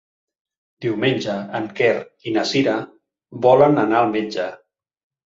Diumenge en Quer i na Cira volen anar al metge.